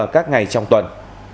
các ngày trong tuần